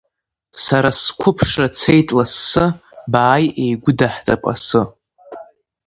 Сара сқәыԥшра цеит лассы, бааи, еигәыдаҳҵап асы!